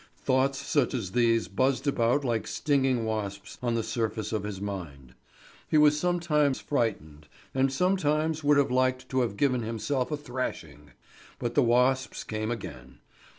Thoughts such as these buzzed about like stinging wasps on the surface of his mind. He was sometimes frightened, and sometimes would have liked to have given himself a thrashing; but the wasps came again.